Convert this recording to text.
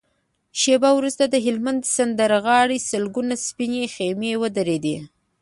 شېبه وروسته د هلمند د سيند پر غاړه سلګونه سپينې خيمې ودرېدې.